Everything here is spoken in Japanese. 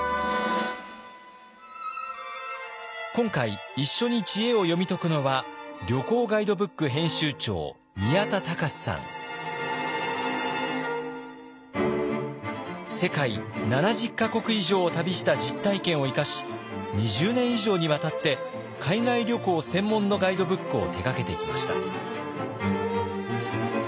今回一緒に知恵を読み解くのは世界７０か国以上を旅した実体験を生かし２０年以上にわたって海外旅行専門のガイドブックを手がけてきました。